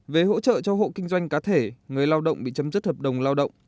về hỗ trợ cho hộ kinh doanh cá thể người lao động bị chấm dứt hợp đồng lao động